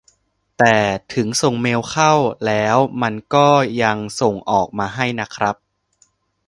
แต่ถึงส่งเมลเข้าแล้วมันก็ยังส่ง ออกมาให้นะครับ